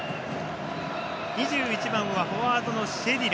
２１番、フォワードのシェディラ。